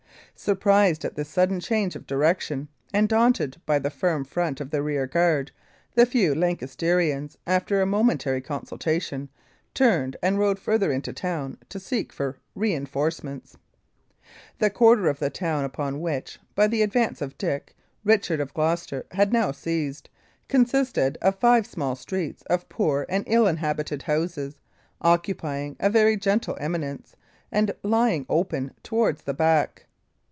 Surprised at this sudden change of direction, and daunted by the firm front of the rear guard, the few Lancastrians, after a momentary consultation, turned and rode farther into town to seek for reinforcements. The quarter of the town upon which, by the advice of Dick, Richard of Gloucester had now seized, consisted of five small streets of poor and ill inhabited houses, occupying a very gentle eminence, and lying open towards the back.